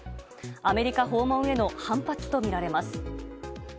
アメリカ訪問への反発とみられます。